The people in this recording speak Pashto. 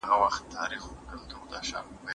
ماشومانو ته د جامو د رنګونو انتخاب ورپرېږدئ.